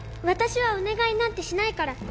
私はお願いなんてしないから